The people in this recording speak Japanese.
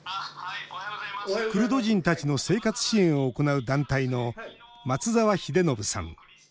クルド人たちの生活支援を行う団体の松澤秀延さん。